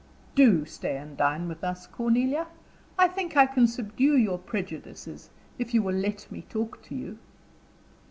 "Do stay and dine with us, Cornelia; I think I can subdue your prejudices, if you will let me talk to you."